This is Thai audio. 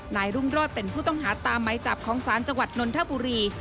นายรุ่งโรธเป็นผู้ต้องหาตามไหมจับของศาลจังหวัดนนทบุรี